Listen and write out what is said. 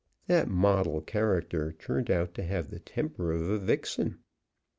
That "model" character turned out to have the temper of a vixen.